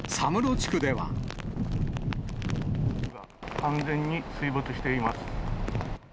完全に水没しています。